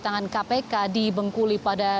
tangan kpk di bengkulu pada